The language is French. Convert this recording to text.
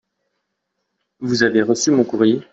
Vous avez reçu mon courrier ?